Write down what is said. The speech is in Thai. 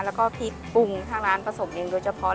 แล้วก็พริกปรุงทางร้านผสมเองโดยเฉพาะ